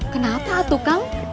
kenapa tuh kang